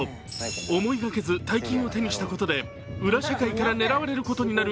思いがけず大金を手にしたことで裏社会から狙われることになる